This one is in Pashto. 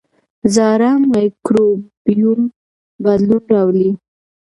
زاړه مایکروبیوم بدلون راولي.